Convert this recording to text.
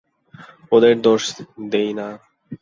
ওদের দোষ দিই না।